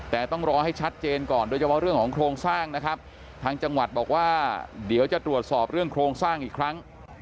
แต่ต้องรอให้ชัดเจนก่อนโดยเฉพาะเรื่องของโครงสร้างนะครับทางจังหวัดบอกว่าเดี๋ยวจะตรวจสอบเรื่องโครงสร้างอีกครั้ง